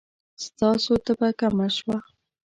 ستاسو تبه کمه شوه؟